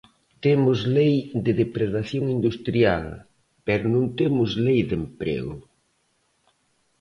Temos Lei de depredación industrial, pero non temos lei de emprego.